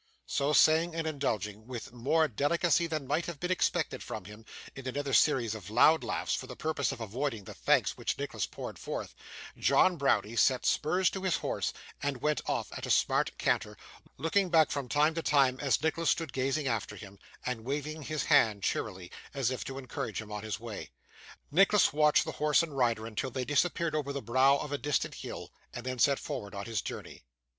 So saying, and indulging, with more delicacy than might have been expected from him, in another series of loud laughs, for the purpose of avoiding the thanks which Nicholas poured forth, John Browdie set spurs to his horse, and went off at a smart canter: looking back, from time to time, as Nicholas stood gazing after him, and waving his hand cheerily, as if to encourage him on his way. Nicholas watched the horse and rider until they disappeared over the brow of a distant hill, and then set forward on his journey.